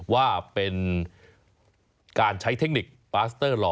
ว่าเป็นการใช้เทคนิคปาสเตอร์หล่อ